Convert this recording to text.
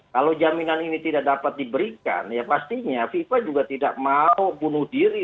kalau jaminan ini tidak dapat diberikan ya pastinya fifa juga tidak mau bunuh diri